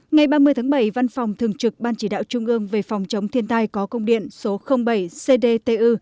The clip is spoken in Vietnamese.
ngày ba mươi tháng bảy văn phòng thường trực ban chỉ đạo trung ương về phòng chống thiên tai có công điện số bảy cdtu